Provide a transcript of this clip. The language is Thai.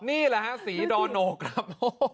นี่แหละฮะสีดอโนครับ